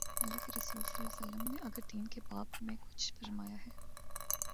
اﷲ کے رسولﷺ نے اگر دین کے باب میں کچھ فرمایا ہے۔